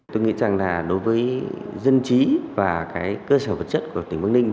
tôi nghĩ rằng là đối với dân trí và cái cơ sở vật chất của tỉnh bắc ninh